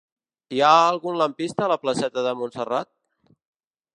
Hi ha algun lampista a la placeta de Montserrat?